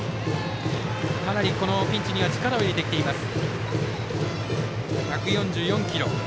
かなりピンチには力を入れてきています。